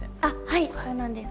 はいそうなんです。